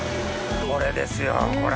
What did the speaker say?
これですよこれ。